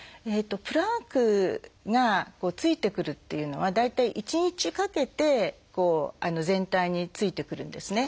プラークがついてくるっていうのは大体１日かけて全体についてくるんですね。